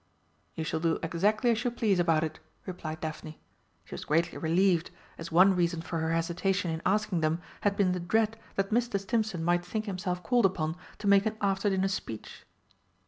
"You shall do exactly as you please about it," replied Daphne. She was greatly relieved, as one reason for her hesitation in asking them had been the dread that Mr. Stimpson might think himself called upon to make an after dinner speech.